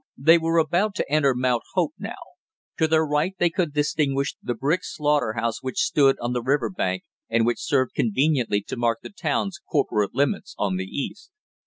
They were about to enter Mount Hope now; to their right they could distinguish the brick slaughter house which stood on the river bank, and which served conveniently to mark the town's corporate limits on the east.